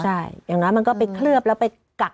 ใช่อย่างน้อยมันก็ไปเคลือบแล้วไปกัก